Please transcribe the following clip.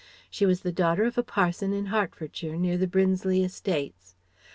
She was the daughter of a parson in Hertfordshire near the Brinsley estates.